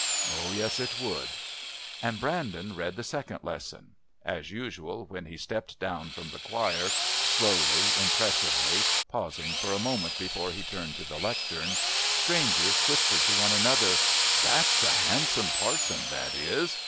Oh, yes. It would! And Brandon read the Second Lesson. As usual, when he stepped down from the choir, slowly, impressively, pausing for a moment before he turned to the Lectern, strangers whispered to one another, "That's a handsome parson, that is."